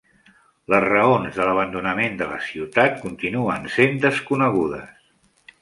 Les raons de l'abandonament de la ciutat continuen sent desconegudes.